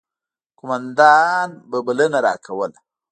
قوماندان به بلنه راکوله.